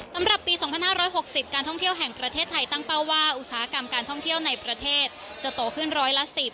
สำหรับปี๒๕๖๐การท่องเที่ยวแห่งประเทศไทยตั้งเป้าว่าอุตสาหกรรมการท่องเที่ยวในประเทศจะโตขึ้นร้อยละ๑๐